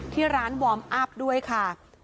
ที่ร้านวอร์มอัพด้วยค่ะ